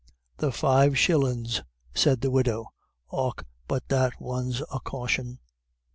"The five shillin's," said the widow. "Och but that one's a caution."